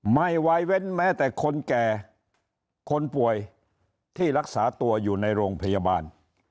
ไม่วายเว้นแม้แต่คนแก่คนป่วยที่รักษาตัวอยู่ในโรงพยาบาล